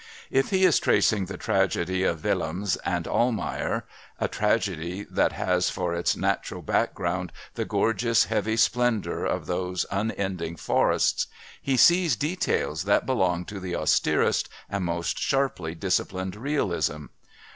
If he is tracing the tragedy of Willems and Almayer, a tragedy that has for its natural background the gorgeous, heavy splendour of those unending forests, he sees details that belong to the austerest and most sharply disciplined realism.